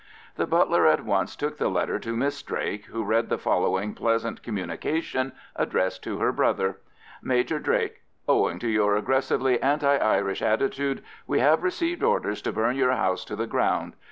The butler at once took the letter to Miss Drake, who read the following pleasant communication addressed to her brother:— "Major Drake,—Owing to your aggressively anti Irish attitude, we have received orders to burn your house to the ground.